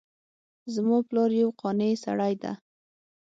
زما پلار یو قانع سړی ده